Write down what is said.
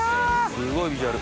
すごいビジュアル。